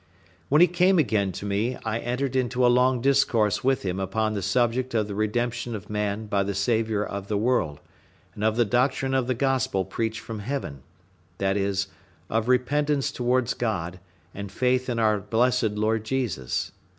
When he came again to me, I entered into a long discourse with him upon the subject of the redemption of man by the Saviour of the world, and of the doctrine of the gospel preached from Heaven, viz. of repentance towards God, and faith in our blessed Lord Jesus.